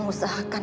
aku sudah lewat